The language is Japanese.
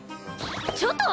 ちょっと！